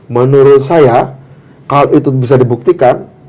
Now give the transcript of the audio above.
menurut saya hal itu bisa dibuktikan